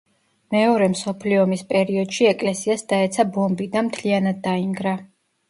მეორე მსოფლიო ომის პერიოდში ეკლესიას დაეცა ბომბი და მთლიანად დაინგრა.